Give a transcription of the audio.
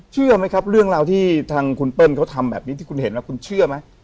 เชื่อไหมครับเรื่องราวที่ทางคุณเปิ้ลเขาทำแบบนี้ที่คุณเห็นคุณเชื่อไหม